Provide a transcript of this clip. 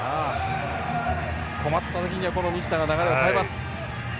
困った時には西田が流れを変えます。